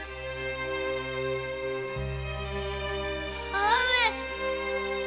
母上！